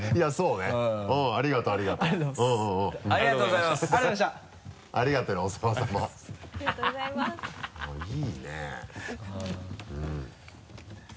いいね。